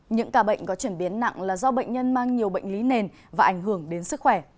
những ca bệnh có chuyển biến nặng là do bệnh nhân mang nhiều bệnh lý nền và ảnh hưởng đến sức khỏe